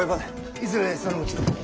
いずれそのうちに。